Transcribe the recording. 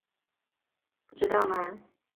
马尼昂。